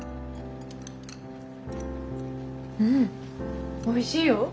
うんおいしいよ。